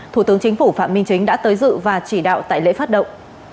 thủ tướng chính phủ phạm minh chính đã tới dự và chỉ đạo tại lễ phát động